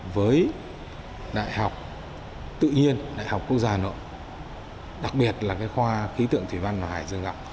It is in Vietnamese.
với đại học tự nhiên đại học quốc gia nội đặc biệt là khoa khí tượng thủy văn và hải dương